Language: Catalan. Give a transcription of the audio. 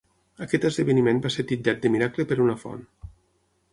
Aquest esdeveniment va ser titllat de miracle per una font.